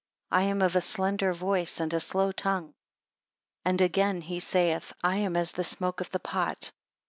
I am of a slender voice, and a slow tongue. 23 And again he saith, I am as the smoke of the pot.